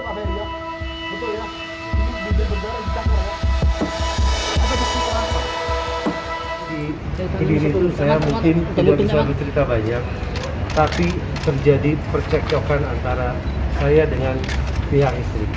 saya mungkin tidak bisa bercerita banyak tapi terjadi percekcokan antara saya dengan pihak istri